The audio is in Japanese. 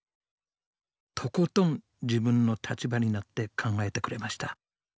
とことん自分の立場になって考えてくれました。